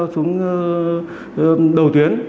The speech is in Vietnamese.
xuống đầu tuyến